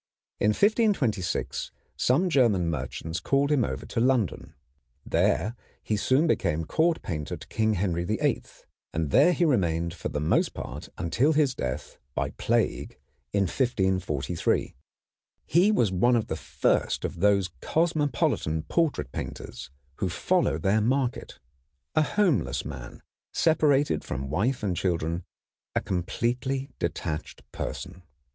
In 1526 some German merchants called him over to London. There he soon became court painter to Henry VIII, and there he remained for the most part until his death by the plague in 1543. He was one of the first of those cosmopolitan portrait painters who follow their market, a homeless man, separated from wife and children, a completely detached person.